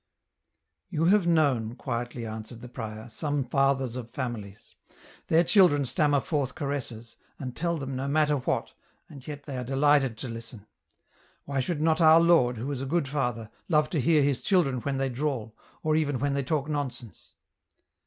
" You have known," quietly answered the prior, "some fathers of families. Their children stammer forth caresses, and tell them no matter what, and yet they are delighted to listen ! Why should not our Lord, who is a good Father, love to hear His children when they drawl, or even when they talk nonsense